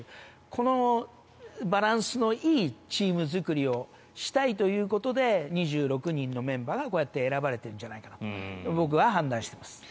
このバランスのいいチームづくりをしたいということで２６人のメンバーがこうやって選ばれてるんじゃないかと僕は判断しています。